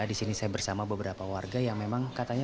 di sini saya bersama beberapa warga yang memang katanya